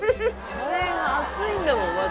カレーが熱いんだもん。